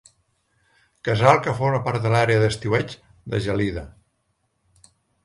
Casal que forma part de l'àrea d'estiueig de Gelida.